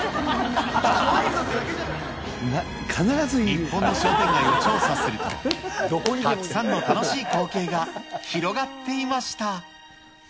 日本の商店街を調査すると、たくさんの楽しい光景が広がっていました。